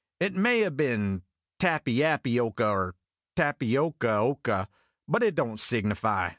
It may 'a' been Tappy appy oca or Tapioca oca, but it don't signify.